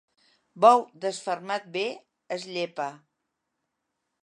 Bou desfermat bé es llepa.